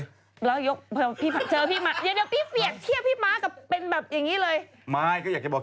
อย่างเดี๋ยวพี่เหลียดเทียบพี่มาสกับเป็นแบบอย่างนี้เลย